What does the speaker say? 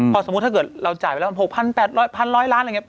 พอสมมุติถ้าเกิดเราจ่ายไปแล้ว๖๘๐๐๑๐๐ล้านอะไรอย่างนี้